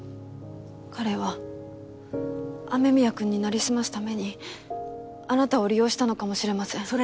彼は雨宮くんになりすますためにあなたを利用したのかもしれません。